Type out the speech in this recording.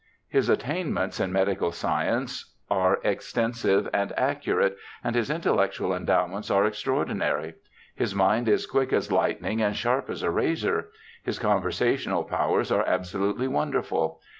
His attainments in medical science are extensive and accu rate, and his intellectual endowments are extraordinary. His mind is quick as lightning and sharp as a razor. His conversational powers are absolutely wonderful.